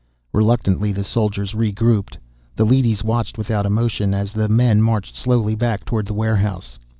Reluctantly, the soldiers regrouped. The leadys watched without emotion as the men marched slowly back toward the warehouse.